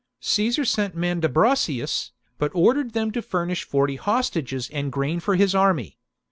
Caesar sent Mandu bracius, but ordered them to furnish forty hostages and grain for his army.